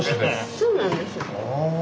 そうなんです。